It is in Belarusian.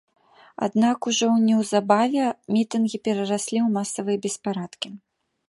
Аднак, ужо неўзабаве мітынгі перараслі ў масавыя беспарадкі.